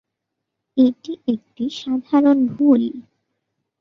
এটি একটি সাধারণ ভুল।